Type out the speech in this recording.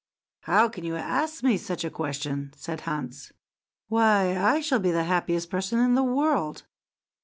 "How can you ask me such a question?" said Hans. "Why, I shall be the happiest person in the world.